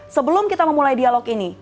sebelum kita memulai dialog ini